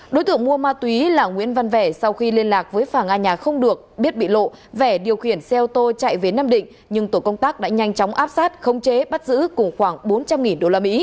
đối tượng mua ma túy là nguyễn văn vẻ sau khi liên lạc với phàng a nhà không được biết bị lộ vẻ điều khiển xe ô tô chạy về nam định nhưng tổ công tác đã nhanh chóng áp sát khống chế bắt giữ cùng khoảng bốn trăm linh usd